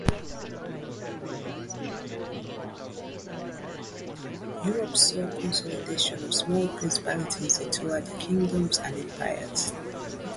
Europe saw consolidation of small principalities into larger kingdoms and empires.